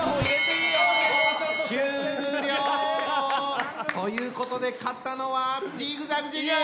終了！ということで勝ったのはジグザグジギー！